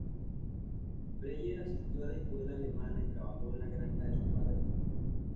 Breyer asistió a la escuela alemana y trabajó en la granja de su padre.